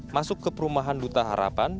masuk ke perumahan duta harapan